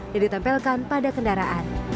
yang ditempelkan pada kendaraan